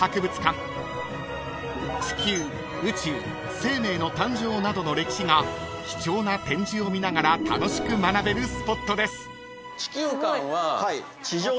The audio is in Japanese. ［地球宇宙生命の誕生などの歴史が貴重な展示を見ながら楽しく学べるスポットです］